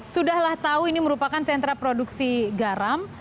sudah lah tahu ini merupakan sentra produksi garam